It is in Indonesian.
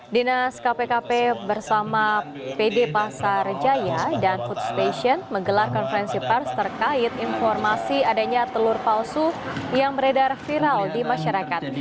dinas kpkp bersama pd pasar jaya dan food station menggelar konferensi pers terkait informasi adanya telur palsu yang beredar viral di masyarakat